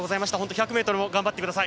１００ｍも頑張ってください。